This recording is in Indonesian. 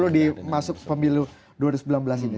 dimasuk pemilu dua ribu sembilan belas ini